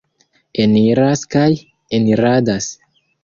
Eniras kaj eniradas.